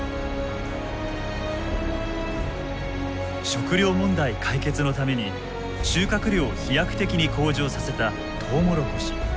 食糧問題解決のために収穫量を飛躍的に向上させたトウモロコシ。